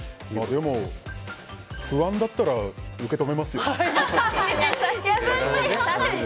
でも、不安だったら受け止めますよ。